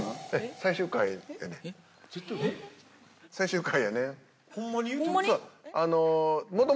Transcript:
最終回やねん。